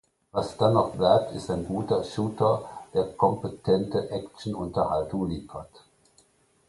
Was dann noch bleibt ist ein guter Shooter, der kompetente Action-Unterhaltung liefert.